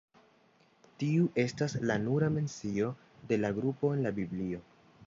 Tiu estas la nura mencio de la grupo en la Biblio.